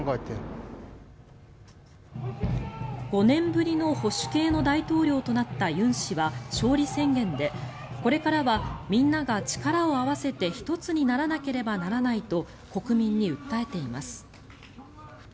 ５年ぶりの保守系の大統領となったユン氏は勝利宣言でこれからはみんなが力を合わせて一つにならなければならないと国民に訴えています。